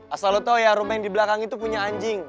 asal lo tau ya rumah yang di belakang itu punya anjing